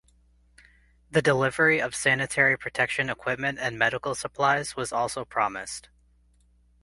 The delivery of sanitary protection equipment and medical supplies was also promised.